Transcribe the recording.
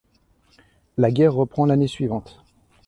La guerre reprend l'année suivante.